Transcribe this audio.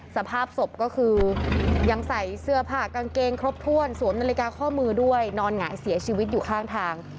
สภาพศพก็คือยังใส่เสื้อผ้ากางเกงครบถ้วนสวมนาฬิกาข้อมือด้วยนอนหงายเสียชีวิตอยู่ข้างทาง